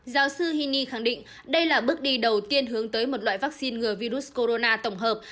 giáo sư hini khẳng định đây là bước đi đầu tiên hướng tới một loại vaccine ngừa virus corona tổng hợp